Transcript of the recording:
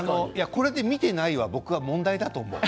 これで見てないは僕は問題だと思う。